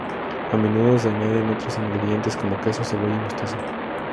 A menudo se añaden otros ingredientes, como queso, cebolla y mostaza.